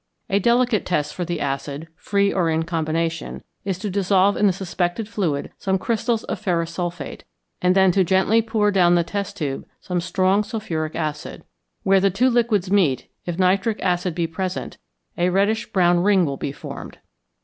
A delicate test for the acid, free or in combination, is to dissolve in the suspected fluid some crystals of ferrous sulphate, and then to gently pour down the test tube some strong sulphuric acid. Where the two liquids meet, if nitric acid be present, a reddish brown ring will be formed.